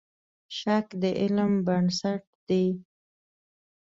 شک د علم بنسټ دی.